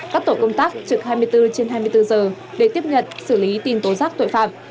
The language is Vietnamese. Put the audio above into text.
các tổ công tác trực hai mươi bốn trên hai mươi bốn giờ để tiếp nhận xử lý tin tố giác tội phạm